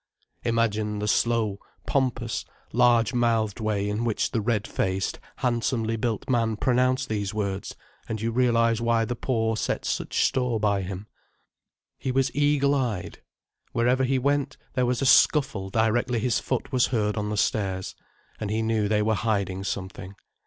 Imagine the slow, pompous, large mouthed way in which the red faced, handsomely built man pronounced these words, and you realize why the poor set such store by him. He was eagle eyed. Wherever he went, there was a scuffle directly his foot was heard on the stairs. And he knew they were hiding something.